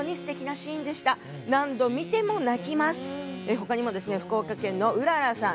他にも福岡県のうららさん